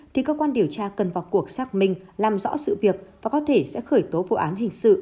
thì cơ quan điều tra cần vào cuộc xác minh làm rõ sự việc và có thể sẽ khởi tố vụ án hình sự